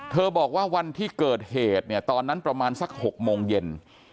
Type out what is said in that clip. บอกว่าวันที่เกิดเหตุเนี่ยตอนนั้นประมาณสัก๖โมงเย็น